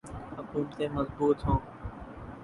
حکومتیں مضبوط ہوں۔